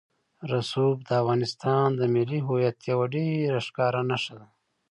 رسوب د افغانستان د ملي هویت یوه ډېره ښکاره نښه ده.